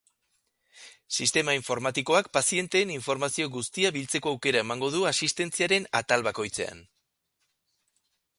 Sistema informatikoak, pazienteen informazio guztia biltzeko aukera emango du asistentziaren atal bakoitzean.